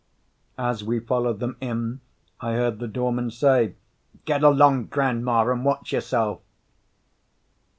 As we followed them in I heard the doorman say, "Get along, grandma, and watch yourself."